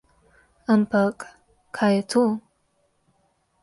Ampak, kaj je to?